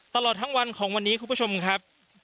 ตลอดทั้งวันของวันนี้คุณผู้ชมครับ